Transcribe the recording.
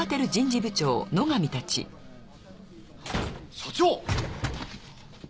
社長！